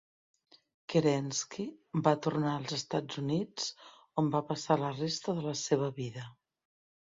Kerensky va tornar als Estats Units, on va passar la resta de la seva vida.